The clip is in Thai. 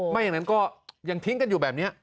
ไม่อย่างนั้นก็ยังทิ้งกันอยู่แบบนี้